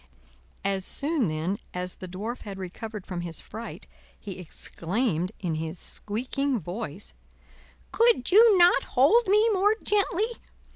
As soon then as the Dwarf had recovered from his fright, he exclaimed in his squeaking voice: "Could you not hold me more gently?